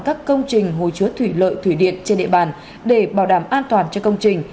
các công trình hồ chứa thủy lợi thủy điện trên địa bàn để bảo đảm an toàn cho công trình